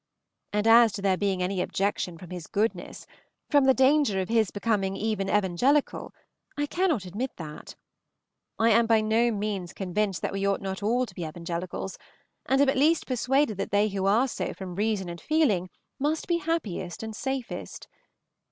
And as to there being any objection from his goodness, from the danger of his becoming even evangelical, I cannot admit that. I am by no means convinced that we ought not all to be evangelicals, and am at least persuaded that they who are so from reason and feeling must be happiest and safest.